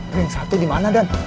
ring satu di mana dan